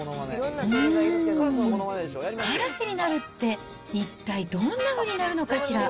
うーん、カラスになるって、一体どんなふうになるのかしら。